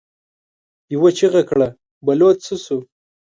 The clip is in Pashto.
يوه چيغه کړه: بلوڅ څه شو؟